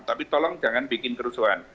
tapi tolong jangan bikin kerusuhan